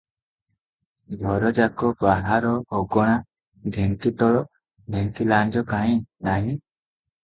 ଘର ଯାକ, ବାହାର ଅଗଣା, ଢେଙ୍କିତଳ ଢେଙ୍କି ଲାଞ୍ଜ କାହିଁ ନାହିଁ ।